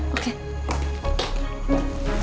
huh bukan ya